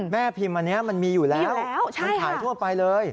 แม่พิมพ์อันนี้มันมีอยู่แล้วมันขายทั่วไปเลย